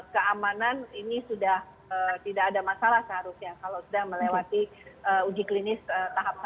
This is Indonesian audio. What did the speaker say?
keamanan ini sudah tidak ada masalah seharusnya kalau sudah melewati uji klinis tahap satu